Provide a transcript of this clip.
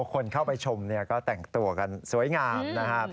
คนเข้าไปชมก็แต่งตัวกันสวยงามนะครับ